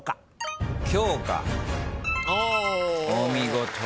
お見事。